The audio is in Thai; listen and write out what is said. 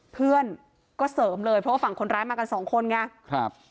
เพื่อนก็เสริมเลยเพราะว่าฝั่งคนร้ายมากันสองคนไงครับ